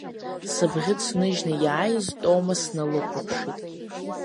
Сыбӷьыц ныжьны иааиз Тома сналыхәаԥшит.